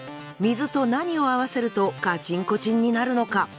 水と何を合わせるとカチンコチンになるのか？